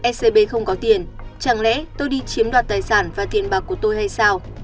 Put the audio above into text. scb không có tiền chẳng lẽ tôi đi chiếm đoạt tài sản và tiền bạc của tôi hay sao